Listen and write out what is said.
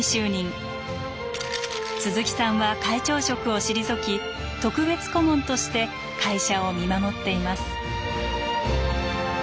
鈴木さんは会長職を退き特別顧問として会社を見守っています。